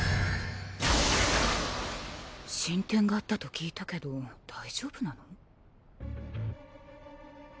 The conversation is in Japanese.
進展があったと聞いたけど大丈夫なの？